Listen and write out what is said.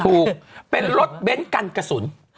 ถูกเป็นรถเบ้นกันกระสุน